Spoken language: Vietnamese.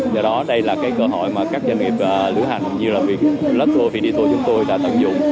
do đó đây là cái cơ hội mà các doanh nghiệp lữ hành như là lotto phi đi tour chúng tôi đã tận dụng